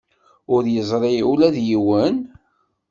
Ur yeẓri ula d yiwen?